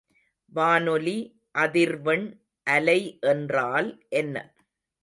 வானொலி அதிர்வெண் அலை என்றால் என்ன?